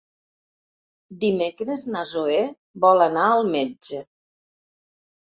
Dimecres na Zoè vol anar al metge.